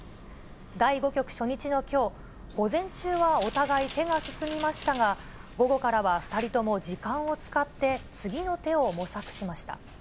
第５局初日のきょう、午前中はお互い手が進みましたが、午後からは２人とも時間を使って、次の手を模索しました。